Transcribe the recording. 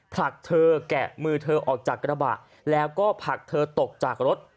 ผลักเธอแกะมือเธอออกจากกระบะแล้วก็ผลักเธอตกจากรถ